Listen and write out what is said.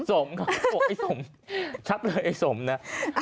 สมครับผมไอ้สมชัดเลยไอ้สมนะ